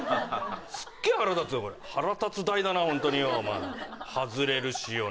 すっげえ腹立つわこれ腹立つ台だなホントによお前外れるしよ